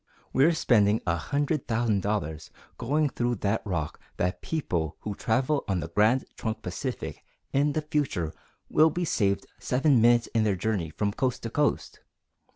We're spending a hundred thousand dollars going through that rock that people who travel on the Grand Trunk Pacific in the future will be saved seven minutes in their journey from coast to coast!